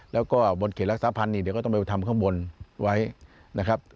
แล้วก็บนเขตรักษาพันธ์เดี๋ยวก็ต้องไปทำข้างบนไว้นะครับ